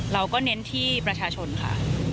เราก็เน้นที่ประชาชนค่ะ